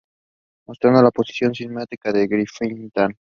Mostrando la posición sistemática de "Giraffatitan".